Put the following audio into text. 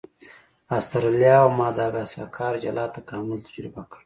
استرالیا او ماداګاسکار جلا تکامل تجربه کړ.